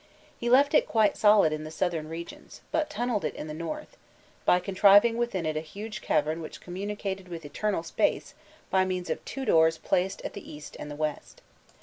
He left it quite solid in the southern regions, but tunnelled it in the north, by contriving within it a huge cavern which communicated with external space by means of two doors placed at the east and the west.